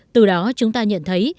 từ đó chúng ta nhận thấy